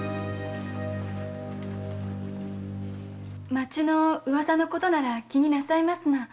町の噂のことなら気になさいますな。